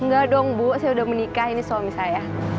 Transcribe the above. enggak dong bu saya udah menikah ini suami saya